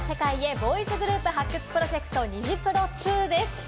ボーイズグループ発掘プロジェクト、ニジプロ２です。